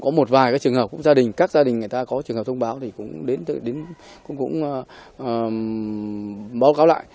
có một vài trường hợp gia đình các gia đình người ta có trường hợp thông báo thì cũng báo cáo lại